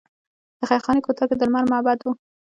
د خیرخانې کوتل کې د لمر معبد و